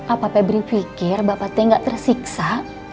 apa febri pikir bapak teh nggak tersiksa